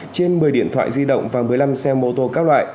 trên một mươi điện thoại di động và một mươi năm xe mô tô các loại